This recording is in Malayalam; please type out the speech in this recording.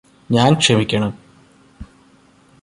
ഞാന് ക്ഷമിക്കണം